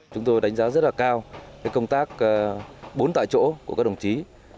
chúng tôi đánh giá rất là cao công tác bốn tại chỗ của các đồng chí